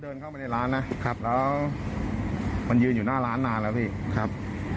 เดินเข้าไปในร้านนะครับแล้วมันยืนอยู่หน้าร้านนานแล้วพี่ครับ